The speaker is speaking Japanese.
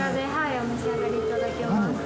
お召し上がりいただけます。